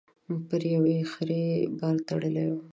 پر يوې خرې بار تړلی و.